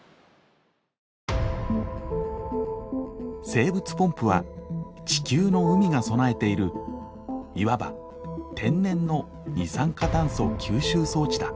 生物ポンプは地球の海が備えているいわば天然の二酸化炭素吸収装置だ。